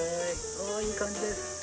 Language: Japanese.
ああいい感じです。